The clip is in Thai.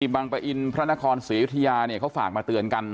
บางประอินทร์พระนครศรีวิทยาเนี่ยเขาฝากมาเตือนกัน